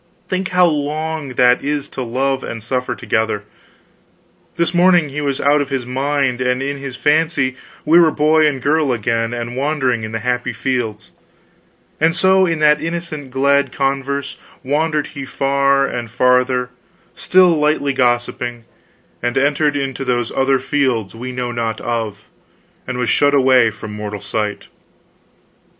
Think how long that is to love and suffer together. This morning was he out of his mind, and in his fancy we were boy and girl again and wandering in the happy fields; and so in that innocent glad converse wandered he far and farther, still lightly gossiping, and entered into those other fields we know not of, and was shut away from mortal sight.